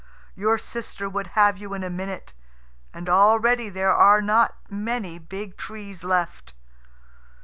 Your sister would have you in a minute. And already there are not many big trees left."